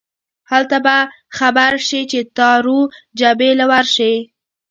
هله به خبر شې چې تارو جبې له ورشې